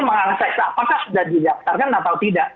memang saya tak patah sudah didaftarkan atau tidak